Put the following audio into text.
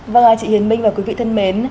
vâng chị hiền minh và quý vị thân mến